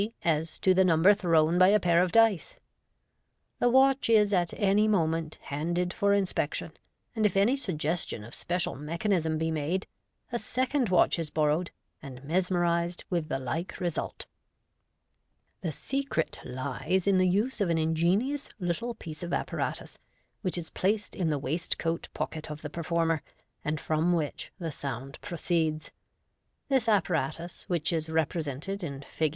as to the number thrown by a pair of dice. The watch is at any moment handed for inspection, and if any suggestion of special mechanism be made, a second watch is borrowed, and mesmerised with the like result. The secret lies in the use of an ingenious little piece of appa ratus, which is placed in the waistcoat pocket of the performer, and from which the sound proceeds. This apparatus, which is repre sented in Fig.